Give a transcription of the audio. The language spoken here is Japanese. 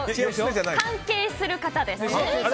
関係する方です。